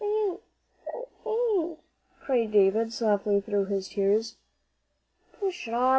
"I ain't I ain't " cried David, softly, through his tears. "Pshaw!